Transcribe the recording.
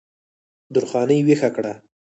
درخانۍ ویښه کړه